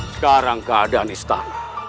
sekarang keadaan istana